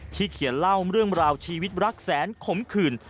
เขียนเล่าเรื่องราวชีวิตรักแสนขมขื่น